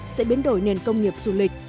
sẽ biến đổi nền công nghiệp du lịch